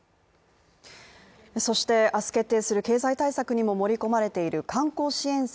そして明日決定する経済対策にも盛り込まれている観光支援策